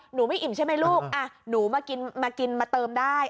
หนูไม่อิ่มใช่ไหมลูกหนูมากินมากินมาเติมได้